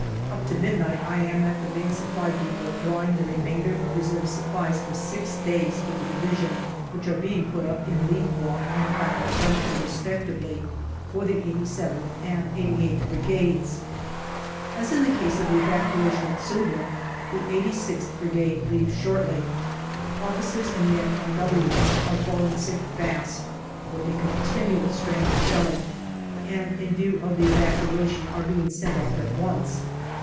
Up to midnight I am at the Main Supply depot drawing the remainder of reserve supplies for six days for the Division, which are being put up in Leith Walk and Clapham Junction respectively for the 87th and 88th Brigades. As in the case of the evacuation at Suvla, the 86th Brigade leave shortly. Officers and men on " W " Beach are falling sick fast, with the continual strain of shelling, and in view of the evacuation are being sent off at once.